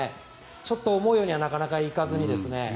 ちょっと思うようにはなかなかいかずに。